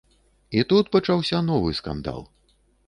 І тут пачаўся новы скандал.